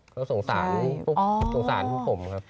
เขาสงสารปุ๊บสงสารถึงผม